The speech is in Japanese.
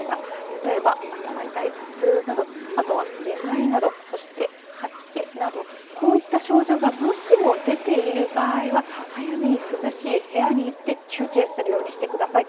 例えば、頭痛い、頭痛などあとはめまいなど、そして吐き気などこういった症状がもしも出ている場合は早めに涼しい部屋に行って休憩するようにしてください。